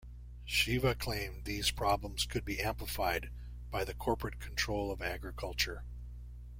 Shiva claimed these problems could be amplified by the corporate control of agriculture.